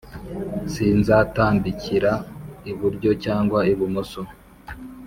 Sinzatambikira iburyo cyangwa ibumoso.